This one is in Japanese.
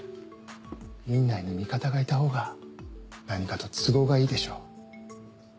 院内に味方がいたほうが何かと都合がいいでしょう。